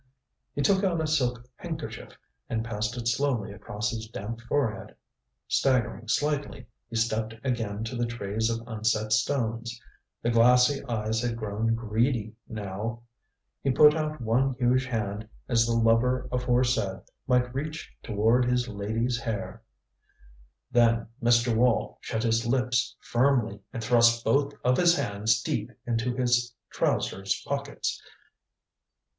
He took out a silk handkerchief and passed it slowly across his damp forehead. Staggering slightly, he stepped again to the trays of unset stones. The glassy eyes had grown greedy now. He put out one huge hand as the lover aforesaid might reach toward his lady's hair. Then Mr. Wall shut his lips firmly, and thrust both of his hands deep into his trousers pockets.